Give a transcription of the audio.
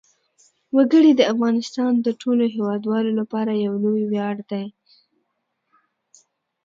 وګړي د افغانستان د ټولو هیوادوالو لپاره یو لوی ویاړ دی.